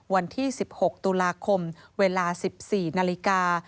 วันที่๑๖ตุลาคมเวลา๑๔นาฬิกา